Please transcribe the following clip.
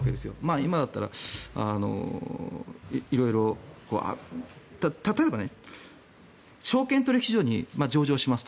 今だったら色々例えば、証券取引所に上場しますと。